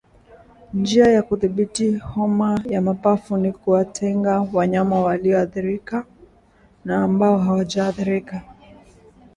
Njia ya kudhibiti homa ya mapafu ni kuwatenga wanyama walioathirika na ambao hawajaathirika